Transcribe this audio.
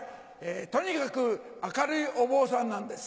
とにかく明るいお坊さんなんです。